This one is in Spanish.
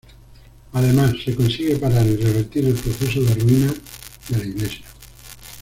Además, se consigue parar y revertir el proceso de ruina de la iglesia.